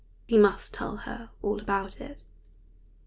He must tell her all about it.